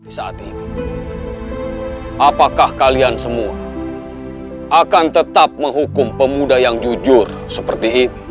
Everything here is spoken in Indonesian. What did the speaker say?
saat ini apakah kalian semua akan tetap menghukum pemuda yang jujur seperti ini